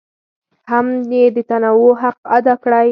هم یې د تنوع حق ادا کړی.